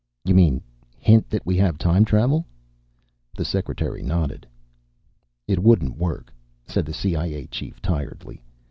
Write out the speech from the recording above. "You mean hint that we have time travel?" The secretary nodded. "It wouldn't work," said the CIA chief tiredly.